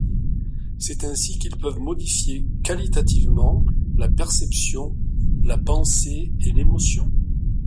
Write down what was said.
C'est ainsi qu'ils peuvent modifier qualitativement la perception, la pensée et l'émotion.